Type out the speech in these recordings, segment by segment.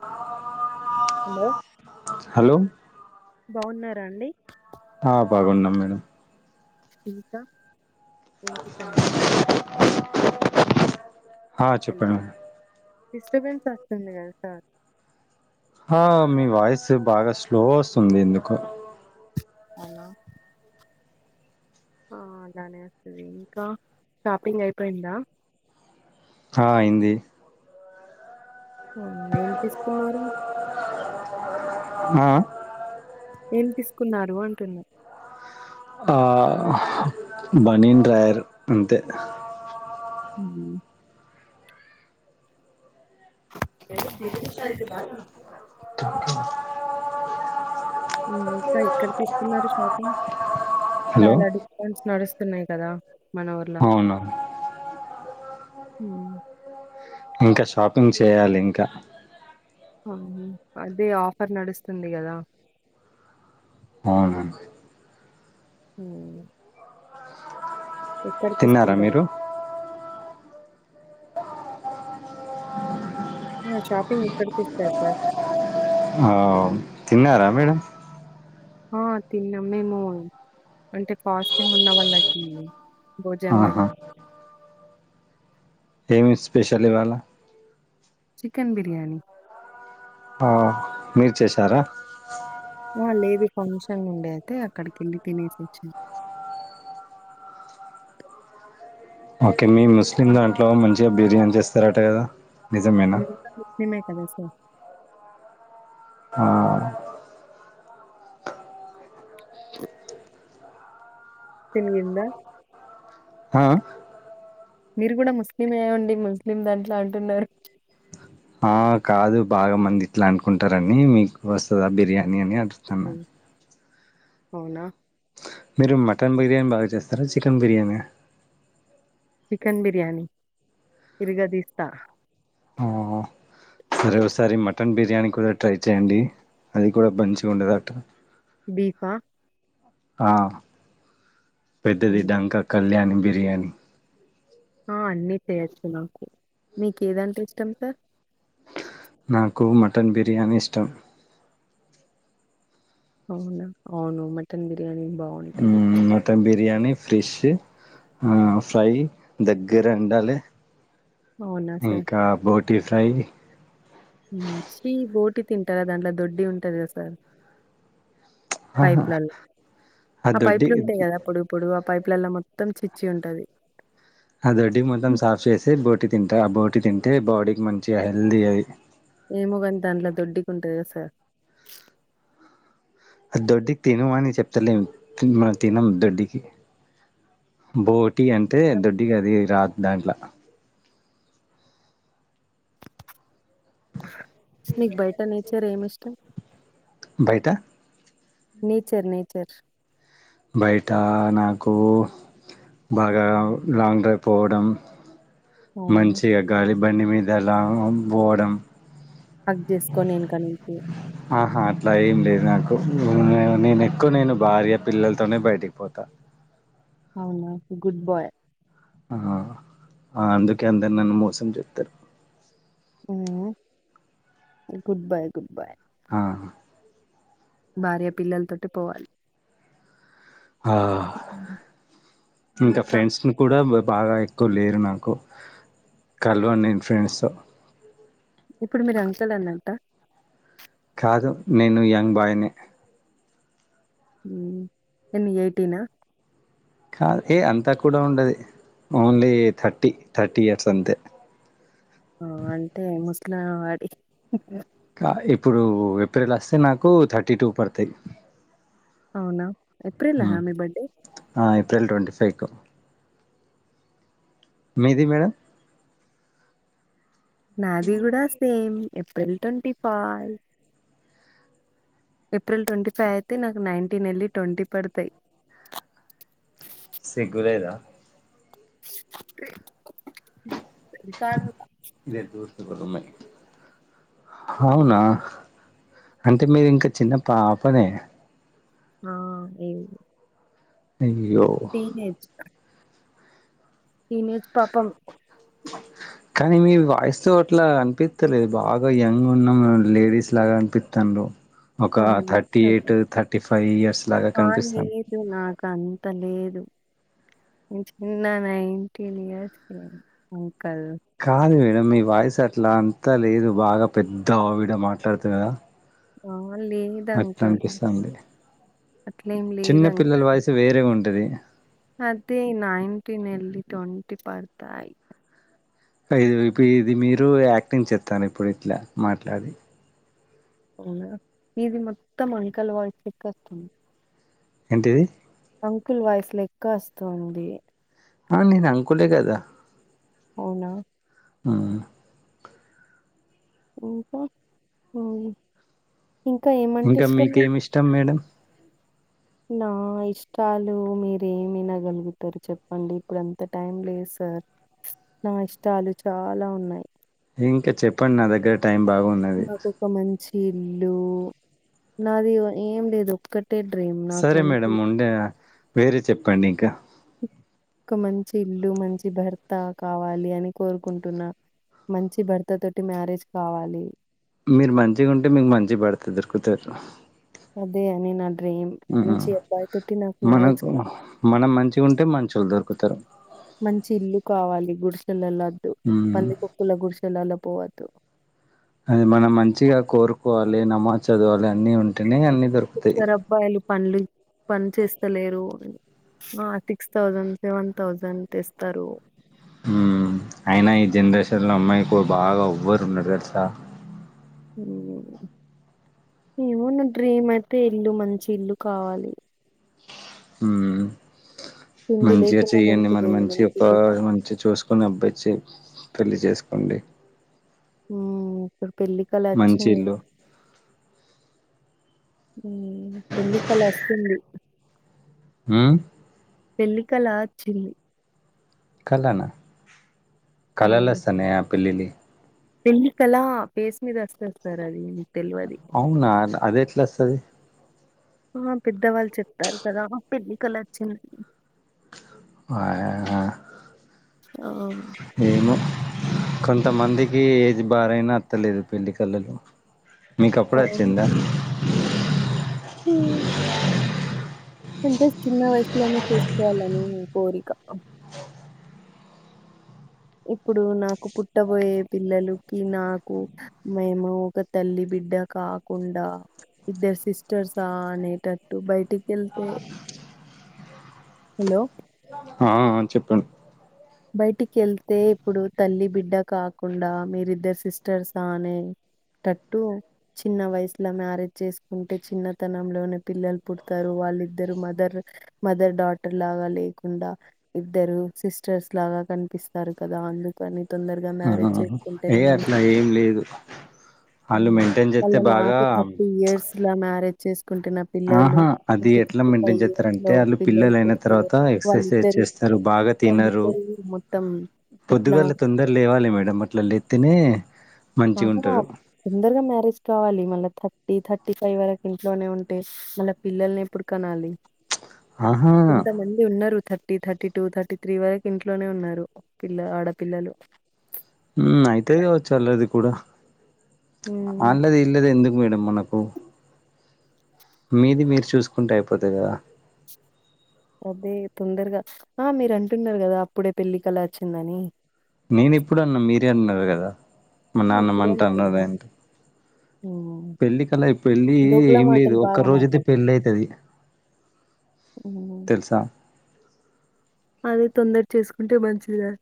ఆ hello hello బావున్నారా అండి ఆ బాగున్నాం మేడం ఇంకా ఏంటి సంగం ఆ చెప్పండి డిస్టర్బెన్స్ వస్తుంది కద సార్ ఆ మి వాయిస్ బాగా స్లో వస్తుంది ఎందుకో అన్నా ఆ అలానే వస్తది ఇంకా షాపింగ్ అయిపోయిందా హ అయింది హో ఏం తీసుకున్నారు ఆ ఆ ఏం తీసుకున్నారు అంటున్నా ఆ బనీన్ డ్రాయర్ అంతే మ్ ఇంకా ఎక్కడ తీసుకున్నారు షాపింగ్ హలో చాలా డిస్కౌంట్స్ నడు స్తున్నాయి కదా మన ఊర్ల అవునా హుమ్ ఇంక షాపింగ్ చేయాలి ఇంకా అ అదే ఆఫర్ నడుస్తుంది కదా అవునా హుమ్ తిన్నారా ఎక్కడతిస్కుంటారు మీరు షాపింగ్ ఎక్కడ తిస్తరు సార్ ఓ తిన్నరా మేడం ఆ తిన్నాం మేము అంటే ఫాస్టింగ్ ఉన్న వాళ్ళకి భోజనం ఆహా ఏమి స్పెషల్ ఇవాళ చికెన్ బిర్యానీ ఆ మీరు చేసారా ఆ లేదు ఫంక్షన్ ఉండే అయితే అక్కడికి వెళ్ళి తినేసి వచ్చామ ఓకే మీ ముస్లిం దాంట్లో మంచిగా బిర్యానీ చేస్తారట కదా నిజమేనా అంతా ఉట్టిగానే అదే సర్ ఆ తినగిందా ఆ మీరు కూడా ముస్లిమే అండి ముస్లిం దాంట్లో అంటున్నారు ఆ కాదు బాగా మంది ఇట్లా అనుకుంటారు మీకు వస్తదా బిర్యానీ అని అడ్ చనా హ్మ్. అవునా మీరు మటన్ బిర్యానీ బాగా చేస్తారా చికెన్ బిర్యానీ చికెన్ బిర్యానీ ఇరగ తీస్తా అరే ఒకసారి మటన్ బిర్ బిర్యానీ కూడా ట్రై చేయండి అది కూడా బంచిగా ఉండదు అట బీఫా ఆ ఆ పెద్దది హ్మ్. డంక కళ్యాణి బిర్యానీ ఆ అన్ని చేసేసుకున్నాం మీకు ఏదంటే ఇష్టం సర్ నాకు మటన్ బిర్యానీ ఇష్టం అవునా అవును మటన్ బిర్యానీ నే ఉమ్ మటన్ బిర్యానీ ఫ్రిష్ ఆ ఫ్రై దగ్గర ఉండాలి అవునా సార్? ఇంకా బోట్ టీ ఫ్రై చీ బోటి తింటారా దాంట్లో దొడ్డి ఉంటది కదా సర్ అహా! పైపుల్ ఆ పైపులు ఉంటాయి కదా పొడు ఇప్పుడు పైప్లలో మొత్తం చిచ్చి ఉంటది ఆ దిడ్డి మొత్తం హ్మ్. సాఫ్ చేసి బోటి తింటే ఆ బోటి తింటే బాడీకి మంచిగా హెల్దీ అయ్ ఏమో కాని దాంట్లో దొడ్డికి ఉంటంది కదా సార్ ఆ దొడ్డికి తినమని చెప్ తలిమ తిన తినం దడికి బోట్ టీ అంటే దొడ్డిగా అది రాద్ బ్యాంక్ల మీకు బయట నేచర్ ఏం ఇష్టం బయటా నేచర్ నేచర్ బయట నాకు బాగా లాంగ్ డ్రైవ్ పోవడం అవును మంచిగా గాలి బండి మీద లాంగ్ [unintelligible] పోవడం హక్ చేసుకోని వెనుకా నుంచి ఆహా అట్లా ఏం లేదు నాకు [unintelligible] నేను ఎక్కువ నేను భార్య పిల్లలతోనే బయటికి పోతా అవునా గుడ్ బాయ్ ఆహా అందుకే అందరూ నన్ను మోసం చేత్తారు ఊ గుడ్ బాయ్ గుడ్ బాయ్ ఆ భార్య పిల్లలతోటి పోవాలి హా హ్మ్. ఇంక ఇంకా ఫ్రెండ్స్ ని కూడా [inaudible] బాగా ఎక్కువ లేరు నాకు కలవను నేను ఫ్రెండ్స్ ఏతో ఇప్పుడు మీరు అంకుల్ అన్నంట కాదు నేను యంగ్ బాయ్ని ఎన్ని ఎయిటీనా కాదు ఏ అంత కూడా ఉండది ఓన్లీ ఏ థర్టీ థర్టీ ఇయర్స్ అంతే ఆ అంటే ముస్ల ఆ ఆడి [inaudible] కా ఇప్పుడు ఏప్రిల్ అస్తే నాకు థర్టీ టూ పడుతాయి అవునా ఎప్పు్రిలా హ మీ బడ్డే ట్వెల్ ట్వంటీ ఫైవ్కు మీది మేడం నాది కూడా same April twenty five April twenty five అయితే నాకు నైన్టీన్ వెళ్ళి ట్వంటీ పడతాయి సిగ్గులేదా [unintelligible] కాడు ఇదే దోస్తు అవునా అంటే మీరు ఇంకా చిన్న పాపనే ఆ వి అయ్యో టీనేజ్ పాపం కానీ మీ వాయిస్తో అట్లా అనిపిస్తలేదు బాగా యంగ్ ఉన్నాము లేడీస్ లాగా అనిపిస్తాను అ ఫైవ్ ఇయర్స్ లాగా ఆ కనిపిస్తాను లేదు నాకు అంత లేదు చిన్న నైన్టిన్ ఇయర్స్ అంకల్ కాదువ్ మీ వాయిస్ అట్లా అంతా లేదు బాగా పెద్దవిడ మాట్లాడుతుద ఆ లేదు అట్లా అంకల్ అనిపిస్తంది అట్లేం లేదు చిన్న పిల్లల అంకల్ వయసు వేరే ఉంటది అదే నైన్టీన్ ఎల్లి టోన్ టి పడతాయి ఇది ఇ ఇది మీరు యాక్టింగ్ చేతంరు ఇప్పుడు ఇట్లా మాట్లాడి అవునా ఇది మొత్తం అంకల్ వాయిస్ క్క అస్తుంది ఏంటిది అంకుల్ వాయస్ లెక్క అస్తుంది ఆ నేను అంకుల్ లే కదా అవునా ఆ ఇంకా ఆ ఇంకా మీకేమి ఇష్టం మేడం నా ఇష్టాలు మీరేమినగలుగుతారు చెప్పండి ఇప్పుడు అంత టైం లేదు సార్ నా ఇష్టాలు చాలా ఉన్నాయి ఇంకా చెప్పండి నా దగ్గర టైం బాగున్నది నాకు ఒక మంచి ఇల్లు నాది ఏం లేదు ఒక్క సరే మేడమ్ ఉండే వేరే చెప్పండి ఇంకా ఒక మంచి ఇల్లు మంచి భర్త కావాలి అని కోరుకుంటున్న మంచి భర్త తోటి మ్యారేజ్ కావాలి మీరు మంచిగా ఉంటే మీకు మంచి భర్త దొరుకుతారు నినంథ్ హు మ్యారేజ్ మనకు మనం మంచి ఉంటే మం టోండర్‌పటేరా మంచి ఇల్లు కావాలి గు [unintelligible] దు ఉమ్. పంది కొక్కుల గుడిసెలల పోవ దు అది మనం మంచిగా కోరుకోవాలి నమోజ్ చదవాలి అన్నీ ఉంటేనే అన్నీ దొరుకుతయి ఇద్దరు అబ్బాయిలు పనులు పని చేస్తలేరు ఆ తిక్స్ థౌజండ్ సెవెన్ థౌజండ్ తెస్తరు హ్మ్ అయినా ఈ జనరేషన్లో అమ్మాయికి బాగా ఎవ్వరు ఉండరు తెలుసా హ్మ్ ఏమో నా డ్రీమ్ అయితే ఇల్లు మంచి ఇల్లు కావాలి హ్మ్ తిండి మంచిగా లేకుండా చెయ్యండి మంచిది మరి మంచి ఒక ఇల్లు కావాలి మంచిగా చూసుకొని అబ్బాయిచ్చి పెళ్లి చేస్కోండి. హ్మ్ ఇప్పుడు పెళ్లికల వచ్చింది లే ఇల్లు హ్మ్ పెళ్లి కల వస్తుంది హ్మ్ పెళ్లికల ఆచ్చింది కలన ఉమ్, కలలస్తున్నాయా పెళ్లిలి పెళ్లి కల ఫేస్ మీద వస్తాది సర్ అది తెలియది అవునా న అది ఎట్ల వస్తది ఆ పెద్దవాళ్ళు చెప్తారు కదా పెళ్లి కల వచ్చిం హయా హా అ కొంతమందికి ఏజ్ బారయినా అత్తలేదు పెళ్లి కలలు మీకు అపుడే అచ్చింద హ్మ్ అంటే చిన్న వయసులోనే చేసుకోవాలని కోరిక ఇప్పుడు నాకు పుట్టబోయే పిల్లలుకి, నాకు, మేము ఒక తల్లి బిడ్డ కాకుండా, ఇద్దరు సిస్టర్సా అనేటట్టు బయటిక్ వెళ్తే హాలో ఆ ఆ చెప్పండ్ బయటికి ఏళ్తే ఇప్పుడు తల్లి బిడ్డ కాకుండా మీరిద్దరు సిస్టర్సా అనే టట్టు చిన్న వయసులో మ్యారేజ్ చేసుకుంటే చిన్నతనంలోనే పిల్లలు పుడతారు వాళ్ళిద్దరు మదర్ మదర్ డాటర్ లాగా లేకుండా ఇద్దరు సిస్ స్ట్రెష్ లాగా కనిపిస్తారు కదా అందుకని. తొందరగా ఆ ఆ మ్యారేజ్ ఆ ఆ ఏ చేసుకుంటేనే హాస్టల్ మంచిది అది ఏం లేదు వాళ్ళు మెయింటైన్ మళ్ళ చెస్తే బాగా చేస్ ఆహా అది ఎట్లా మెయింటైన్ ఫైవ్ ఇయర్స్ చేస్తారంటే, లో ఆళ్ళు పిల్లలు అయిన పుడితే తర్వాత ఎక్సాసైజ్ వాళ్ళిద్దరు చేస్తారు. బాగా తిం విన్నరు వాళ్ళిద్దరు మొత్తం ఎట్లా పొద్దుగల తొందర్ లేవాలి మేడం అట్లా లేతేనే వాఃమో తొందరగా మ్యారేజ్ కావాలి. మళ్ళా థర్టీ థర్టీ ఫైవ్ వరకు ఇంట్లోనే ఉంటే, మళ్ళా పిల్లల్ని ఎప్పుడు కన్నాలి. ఆహా కొంత మంది ఉన్నారు thirty thirty two thirty three వరకు ఇంట్లోనే ఉన్నారు పిల్ల ఆడపిల్లలు ప్చ్ ఆ ఉమ్, మేడం మనకు మీది మీరు చూసుకుంటే అయిపోతాదా అదే తొందరగా ఆ మీరు అంటున్నారు కదా అప్పుడే పెళ్లి కల వచ్చిందని నేను ఎప్పుడు అన్నా మీరే అన్నారు కదా. మా ఆ, నాన్నమ్మ ఇప్పుడే అన్నారు అంటావునదా కదా ఏంటి ఉమ్, పెళ్లి కల పెళ్ళి బొగ్గుల ఏం లేదు మాటలు ఒక్క బాగా రోజైతే మాట్లాడు పెళ్ళి అయితది ఉమ్. తెలుసా అదే తొందర చేసుకుంటే మంచిదని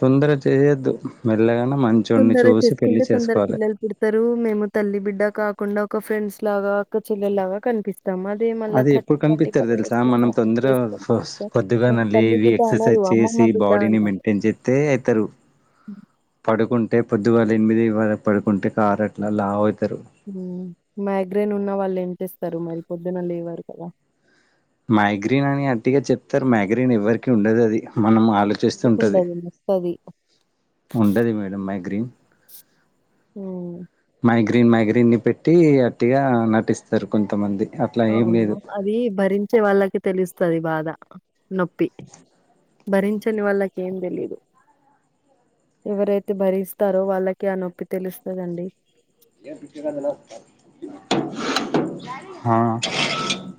తొందర చేయద్దు మెల్లగాన తొందరగ చేసుకుంటే తొందరగ పిల్లలు పుడతారు మేము తల్లి బిడ్డ కాకుండా ఒక ఫ్రెండ్స్ లాగా అక్క చెల్లెల్ లాగా కనిపిస్ అది ఎప్పుడు కనిపిత్తరు తెలుసా మనం మ్యారేజ్ తొందరగా చేసుకుంటే ఫస్ పొద్దుగా "ఆ, తల్లి లేవి బిడ్డ అనరు. ఎక్సర్సైజ్ చేసి అమ్మమ్మ బిడ్డ బాడీని అంటారు. మెయింటైన్ చేస్తే అవుతారు పడుకుంట అంటే పొద్దుగాళ్ళ ఎనిమిదిల పడుకుంటే కార్ అట్లా లావు అయితారు హ్మ్ మైగ్రేన్ ఉన్న వాళ్ళు ఏం చేస్తారు మరి పొద్దున లేవరు కదా మైగ్రీన్ అని అట్టి గాచెప్తారు మైగ్రీన్ ఎవరికి ఉండదు అది మనం మ అట్ల చేస్తూ ఉంటది నొప్పుండదు నొస్తది. ఉండది మేడం మైగ్రీన్ హ్మ్ మైగ్రీన్ మైగ్రీన్ ని పెట్టి అట్టిగా నటిస్తరు కొంతమంది అట్లా ఏం అవును లేదు అది భరించే వాళ్ళకి తెలుస్ సరి బాద నొప్పి భరించని వాళ్ల కి ఏం తెలీదు ఎవరైతే భరిస్తారో వాళ్ళకి ఆ నొప్పి తెలుస్తదండి హా హ్మ్.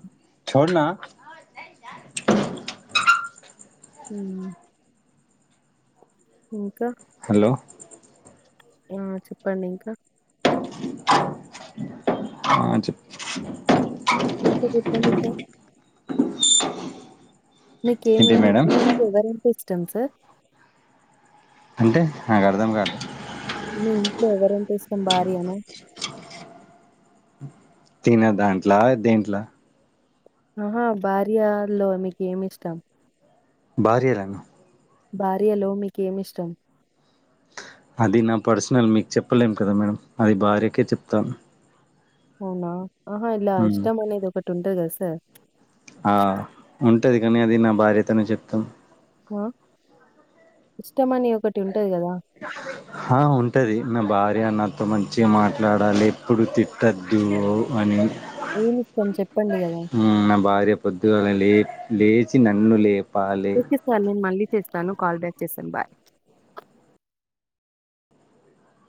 హ్మ్ ఇంకా హలో ఆ చెప్పండి ఇంకా ఆ చెప్ప ఇక చెప్పండి సార్ మీకు ఏమి ఏంటి ఏమి మేడం మీకు ఎవరంటే ఇష్ సిస్టమ్ సర్ అంటే నాకు అర్దం కాలే మీ ఇంట్లో ఎవరంటే ఇష్టం భార్య అనా తిన దాంట్లా దేంట్లా ఆహా భార్యలో మీకు ఏమి ఇష్టం భార్య ల న భార్యలో మీకేమిష్టం అది నా పర్సనల్ మీకు చెప్పలేం కదా మేడం అది భార్యకే చెప్తాను అవునా ఆహా ఇలా ఉమ్ ఇష్టమనేది ఒక టంట గద సర్ ఆ ఉంటది కానీ అది నా భార్యతోనే చెప్తాం ఆ ఇష్టమని ఒకటి ఉ హా ఉంటది నా బా ఫ్రీగా నాతో మంచిగా మాట్లాడాలి ఎప్పుడు తిట్టద్దు అని ఏమిష్టం చెప్పండి గదా? నా భార్య పొద్దుగాలలి లేచి నన్ను లేపు ఇప్పిస్తాన్లే మళ్లీ చేస్తాను కాల్ బ్యాక్ చేస్తాను బాయ్